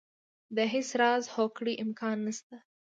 د هېڅ راز هوکړې امکان نه شته.